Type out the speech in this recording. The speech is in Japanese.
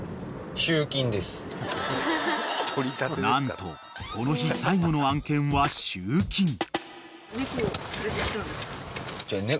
［何とこの日最後の案件は集金］